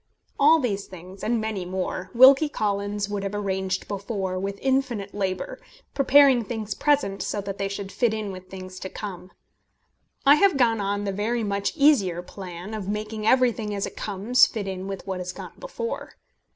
All these things, and many more, Wilkie Collins would have arranged before with infinite labour, preparing things present so that they should fit in with things to come. I have gone on the very much easier plan of making everything as it comes fit in with what has gone before.